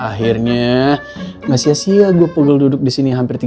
akhirnya gak sia sia gue pegel duduk disini hampir tiga jam